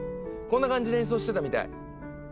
こんな感じで演奏してたみたい。